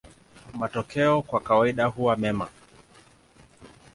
Matokeo kwa kawaida huwa mema.